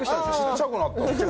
ちっちゃくなった。